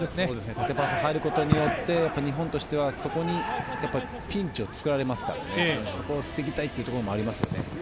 縦パスが入ることによって日本としてはピンチを作られますから、そこを防ぎたいという思いがあります。